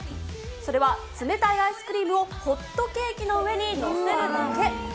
それは、冷たいアイスクリームをホットケーキの上に載せるだけ。